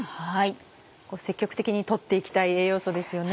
積極的に取って行きたい栄養素ですよね。